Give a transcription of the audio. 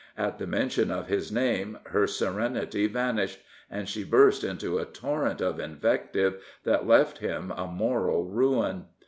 At the mention of his name her serenity vanished, and she burst into a torrent of invective that left him a moral ruin.